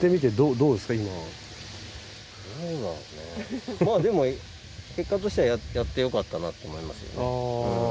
そうだねまぁでも結果としてはやってよかったなと思いますね。